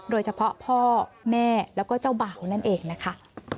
โดยเฉพาะพ่อแม่แล้วก็เจ้าบ่าวนั่นเองนะคะ